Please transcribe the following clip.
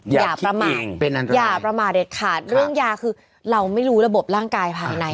อย่าประมาทอย่าประมาทเด็ดขาดเรื่องยาคือเราไม่รู้ระบบร่างกายภายใน